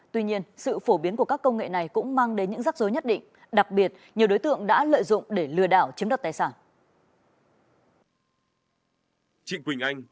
tuy nhiên sự phổ biến của các công nghệ này cũng mang đến những rắc rối nhất định đặc biệt nhiều đối tượng đã lợi dụng để lừa đảo chiếm đặt tài sản